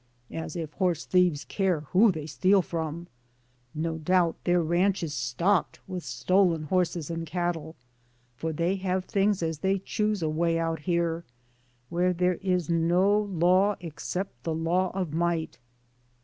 As if horse thieves care who they steal from. No doubt, their ranch is stocked with stolen horses and cattle, for they have things as they choose away out here, where there is no law, except the law of might.